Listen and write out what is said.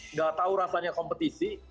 nggak tahu rasanya kompetisi